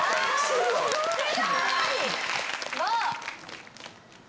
すごいね！